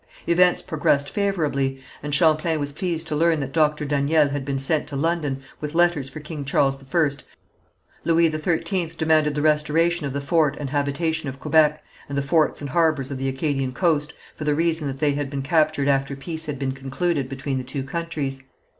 Events progressed favourably, and Champlain was pleased to learn that Doctor Daniel had been sent to London with letters for King Charles I. Louis XIII demanded the restoration of the fort and habitation of Quebec, and the forts and harbours of the Acadian coast, for the reason that they had been captured after peace had been concluded between the two countries.